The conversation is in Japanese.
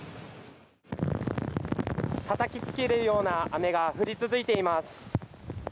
たたきつけるような雨が降り続いています。